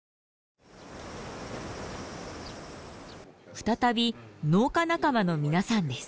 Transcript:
再び農家仲間の皆さんです。